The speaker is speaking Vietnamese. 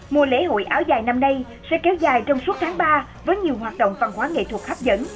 mùa lễ hội áo dài năm nay sẽ kéo dài trong suốt tháng ba với nhiều hoạt động văn hóa nghệ thuật hấp dẫn